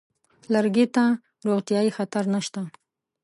لرګي ته روغتیايي خطر نشته.